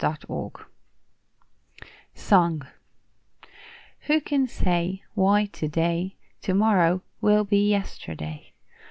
XXXIV =Song= Who can say Why To day To morrow will be yesterday?